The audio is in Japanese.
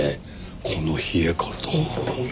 この冷え方は。